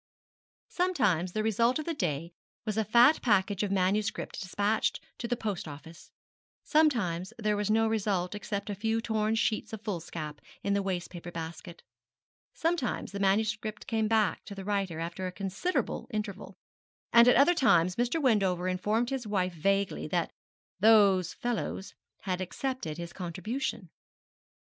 Sometimes the result of the day was a fat package of manuscript despatched to the post office; sometimes there was no result except a few torn sheets of foolscap in the waste paper basket Sometimes the manuscript came back to the writer after a considerable interval; and at other times Mr. Wendover informed his wife vaguely that 'those fellows' had accepted his contribution.